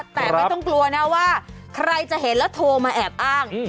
แต่ไม่ต้องกลัวนะว่าใครจะเห็นแล้วโทรมาแอบอ้าง